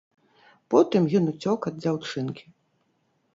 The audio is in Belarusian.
Потым ён уцёк ад дзяўчынкі.